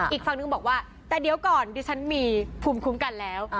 อีกฝั่งนึงบอกว่าแต่เดี๋ยวก่อนดิฉันมีภูมิคุ้มกันแล้ว